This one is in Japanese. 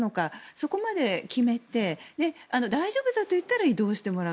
そこまで決めて大丈夫だといったら移動してもらう。